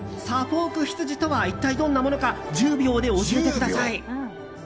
サフォーク羊とは一体どんなものか１０秒で教えてください。